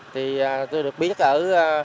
thì tôi được biết ở